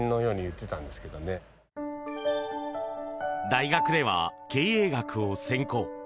大学では経営学を専攻。